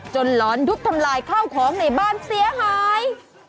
หลอนยุบทำลายข้าวของในบ้านเสียหาย